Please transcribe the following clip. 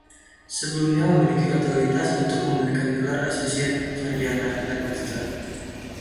Sebelumnya memiliki otorisasi untuk memberikan gelar associate, sarjana, dan master.